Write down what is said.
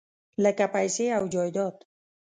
لکه پیسې او جایداد .